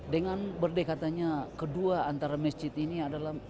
dengan berdekatannya kedua antara masjid ini adalah